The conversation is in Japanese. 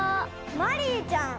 マリイちゃん。